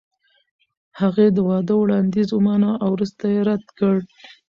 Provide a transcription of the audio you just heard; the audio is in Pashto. هغې د واده وړاندیز ومانه او وروسته یې رد کړ.